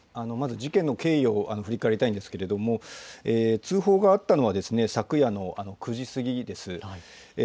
事件の経緯を振り返りたいんですけれども通報があったのは昨夜の９時過ぎです。